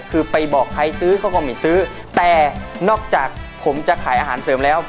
คือไปบอกใครซื้อเขาก็ไม่ซื้อแต่นอกจากผมจะขายอาหารเสริมแล้ว